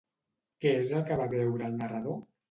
Què és el que va veure el narrador?